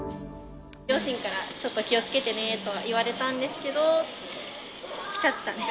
両親から、ちょっと気をつけてねと言われたんですけど、来ちゃったね。